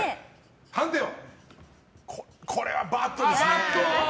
これはバッドですね。